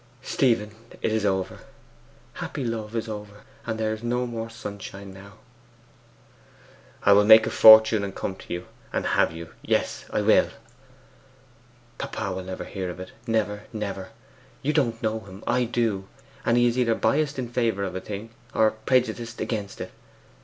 'Stephen, it is over happy love is over; and there is no more sunshine now!' 'I will make a fortune, and come to you, and have you. Yes, I will!' 'Papa will never hear of it never never! You don't know him. I do. He is either biassed in favour of a thing, or prejudiced against it.